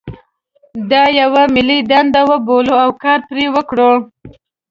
دا یوه ملي دنده وبولو او کار پرې وکړو.